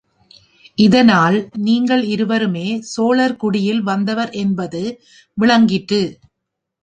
இதனால் நீங்கள் இருவருமே சோழர் குடியில் வந்தவர் என்பது விளங்கிற்று.